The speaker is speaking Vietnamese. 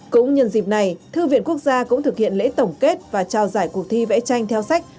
cũng nhân dịp này thư viện quốc gia cũng thực hiện lễ tổng kết và trao giải cuộc thi vẽ tranh theo sách